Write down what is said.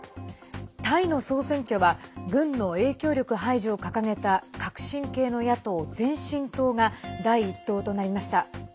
タイの総選挙は軍の影響力排除を掲げた革新系の野党・前進党が第１党となりました。